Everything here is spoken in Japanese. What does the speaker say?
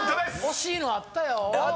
惜しいのあったよ。